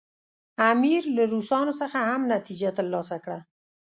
امیر له روسانو څخه هم نتیجه ترلاسه کړه.